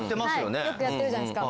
はいよくやってるじゃないですか。